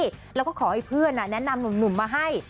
แล้วก็ขอให้เพื่อนแนะนำหนุ่มมาให้